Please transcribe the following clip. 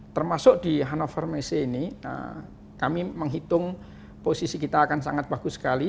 termasuk di hannover messe ini kami menghitung posisi kita akan sangat bagus sekali